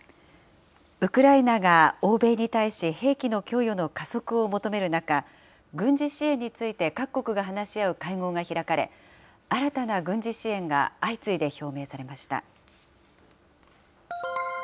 ウクライナが欧米に対し、兵器の供与の加速を求める中、軍事支援について各国が話し合う会合が開かれ、新たな軍事支援が相次いで表明されました。